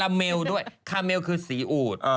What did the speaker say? เมลด้วยคาเมลคือสีอูด